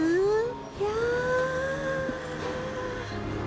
いや。